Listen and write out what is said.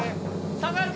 下がるか？